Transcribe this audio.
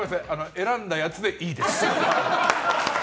選んだやつでいいです。